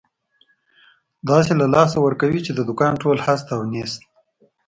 داسې له لاسه ورکوې، چې د دوکان ټول هست او نیست.